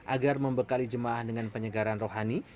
agar membekali jemaah dengan penyegaran rohani